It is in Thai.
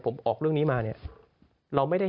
ผมออกเรื่องนี้มาเนี่ยเราไม่ได้